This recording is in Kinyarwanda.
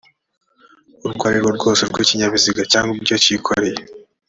urwo arirwo rwose rw ikinyabiziga cyangwa ibyo cyikoreye